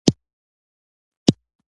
د نیالګیو کینول د پسرلي پیل دی.